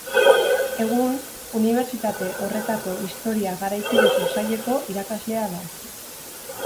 Egun, unibertsitate horretako Historia Garaikideko Saileko irakaslea da.